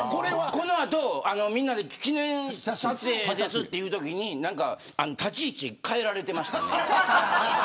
このあと、みんなで記念撮影をするというときに立ち位置変えられてました。